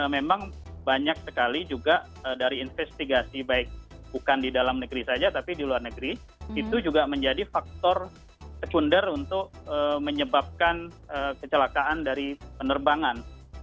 memang banyak sekali juga dari investigasi baik bukan di dalam negeri saja tapi di luar negeri itu juga menjadi faktor secunder untuk menyebabkan kecelakaan dari penerbangan